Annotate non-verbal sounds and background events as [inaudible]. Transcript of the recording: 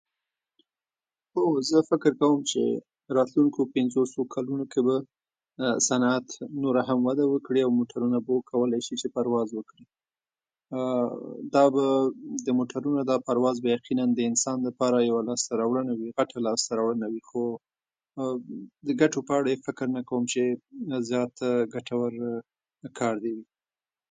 هو، زه فکر کوم چې په راتلونکو پنځو څو کلونو کې به صنعت نوره هم وده وکړي او موټرونه به وکړای شي چې پرواز وکړي. [hesitation] دا به د موټرونو د پرواز، به د انسان لپاره به یقیناً لاسته راوړنه وي، غټه لاسته راوړنه وي؛ خو [hesitation] ګټو په اړه یې فکر نه کوم چې زیاته ګټور کار دې وي.